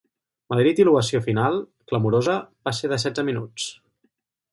Madrid i l'ovació final, clamorosa, va ser de setze minuts.